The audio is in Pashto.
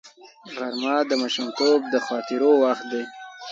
غرمه د ماشومتوب د خاطرو وخت دی